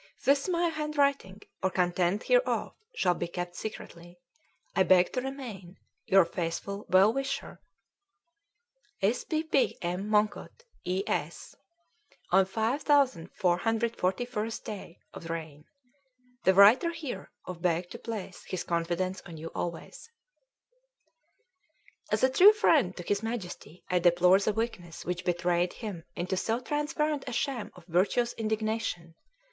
"This my handwriting or content hereof shall be kept secretly. "I beg to remain "Your faithful & well wisher "S. P. P. M. MONGKUT E. S. "on 5441th day of reign. "the writer here of beg to place his confidence on you alway." As a true friend to his Majesty, I deplore the weakness which betrayed him into so transparent a sham of virtuous indignation.